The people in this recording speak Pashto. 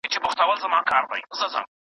له ډوډۍ مخکې بسم الله ووایئ.